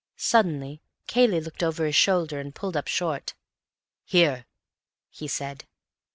Suddenly Cayley looked over his shoulder and pulled up short. "Here," he said.